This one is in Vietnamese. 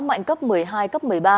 mạnh cấp một mươi hai cấp một mươi ba